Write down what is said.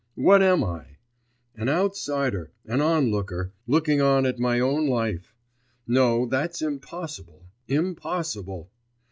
what am I? An outsider an onlooker ... looking on at my own life! No, that's impossible, impossible!